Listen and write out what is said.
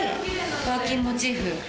バーキンモチーフ。